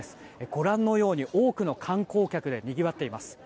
ご覧のように多くの観光客でにぎわっています。